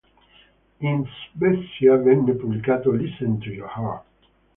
In Svezia venne pubblicato "Listen To Your Heart.